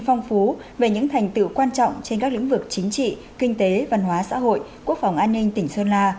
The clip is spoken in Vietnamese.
phong phú về những thành tựu quan trọng trên các lĩnh vực chính trị kinh tế văn hóa xã hội quốc phòng an ninh tỉnh sơn la